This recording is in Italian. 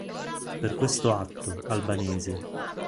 Per questo atto, albanesi!